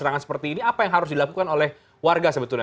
serangan seperti ini apa yang harus dilakukan oleh warga sebetulnya